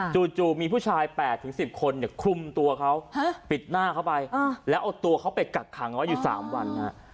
จู่มีผู้ชาย๘๑๐คนคลุมตัวเขาปิดหน้าเขาไปแล้วเอาตัวเขาไปกักขังเอาไว้อยู่๓วัน